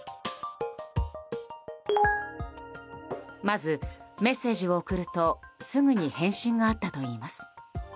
まず、メッセージを送るとすぐに返信があったといいます。